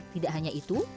tidak hanya itu